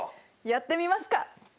やってみますか。